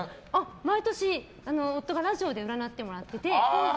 毎年、夫がラジオで占ってもらってて。